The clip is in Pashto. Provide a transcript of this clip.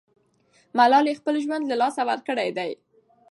ملالۍ خپل ژوند له لاسه ورکړی دی.